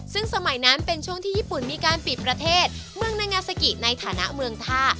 ซึ่งสมัยนั้นเป็นช่วงที่ญี่ปุ่นมีการปิดประเทศเมืองนางาซากิในฐานะเมืองท่า